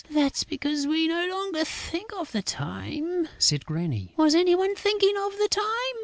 "That's because we no longer think of the time," said Granny. "Was any one thinking of the time?"